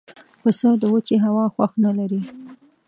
پسه د وچې هوا خوښ نه لري.